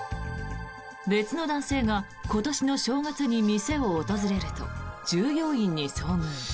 別の男性が今年の正月に店を訪れると従業員に遭遇。